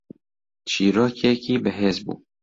چیرۆکێکی بەهێز بوو